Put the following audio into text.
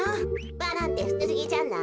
バラなんてふつうすぎじゃない？